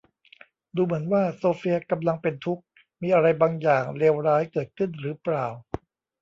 ดูเหมือนว่าโซเฟียกำลังเป็นทุกข์ มีอะไรบางอย่างเลวร้ายเกิดขึ้นหรือเปล่า ?